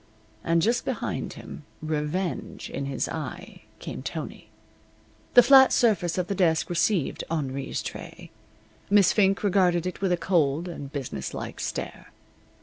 And just behind him, revenge in his eye, came Tony. The flat surface of the desk received Henri's tray. Miss Fink regarded it with a cold and business like stare.